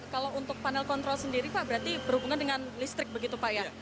kalau untuk panel kontrol sendiri pak berarti berhubungan dengan listrik begitu pak ya